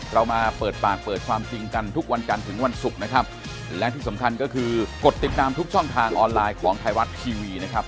เรามาเปิดปากเปิดความจริงกันทุกวันจันทร์ถึงวันศุกร์นะครับและที่สำคัญก็คือกดติดตามทุกช่องทางออนไลน์ของไทยรัฐทีวีนะครับ